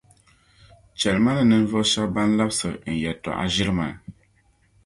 Chεli Ma ni ninvuɣu shεba ban labsi N yεltɔɣa ʒiri maa.